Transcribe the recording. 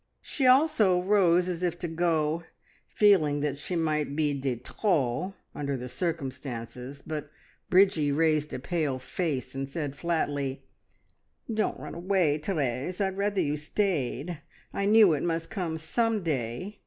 She also rose as if to go, feeling that she might be de trop under the circumstances, but Bridgie raised a pale face, and said flatly "Don't run away, Therese, I'd rather you stayed! I knew it must come some day.